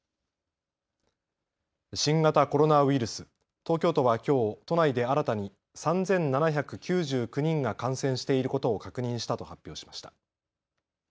新型コロナウイルス東京都はきょう都内で新たに３７９９人が感染していることを確認したと発表しました。